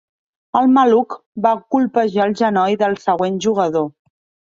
El maluc va colpejar el genoll del següent jugador.